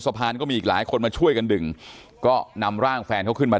ก็มีอีกหลายคนมาช่วยกันดึงก็นำร่างแฟนเขาขึ้นมา